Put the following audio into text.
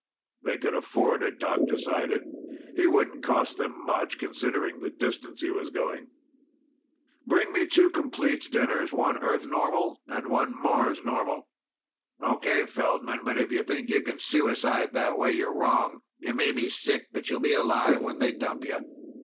They could afford it, Doc decided. He wouldn't cost them much, considering the distance he was going. "Bring me two complete dinners one Earth normal and one Mars normal." "Okay, Feldman. But if you think you can suicide that way, you're wrong. You may be sick, but you'll be alive when they dump you."